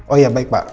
oh ya baik pak